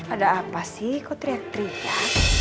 ada apa sih kok teriak teriak